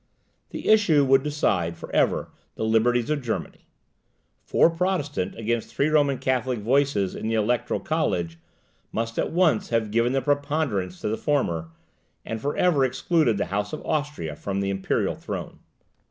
The issue would decide for ever the liberties of Germany. Four Protestant against three Roman Catholic voices in the Electoral College must at once have given the preponderance to the former, and for ever excluded the House of Austria from the imperial throne.